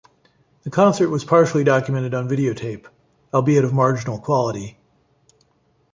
The concert was partially documented on videotape, albeit of marginal quality.